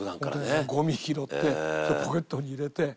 ゴミ拾ってそれポケットに入れて。